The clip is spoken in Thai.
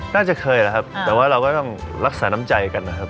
น่าจะเคยแหละครับแต่ว่าเราก็ต้องรักษาน้ำใจกันนะครับ